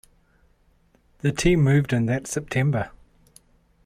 The team moved in that September.